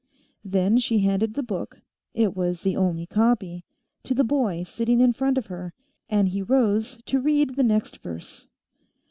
Then she handed the book it was the only copy to the boy sitting in front of her, and he rose to read the next verse.